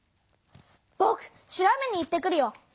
ぼく調べに行ってくるよ！